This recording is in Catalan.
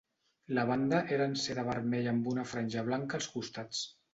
La banda era en seda vermella amb una franja blanca als costats.